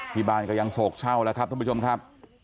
ที่บ้านก็ยังโศกเศร้าแล้วครับท่านผู้ชมครับ